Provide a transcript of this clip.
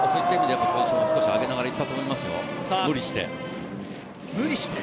少し上げながらいったと思いますよ、無理して。